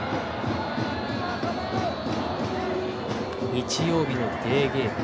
日曜日のデーゲーム。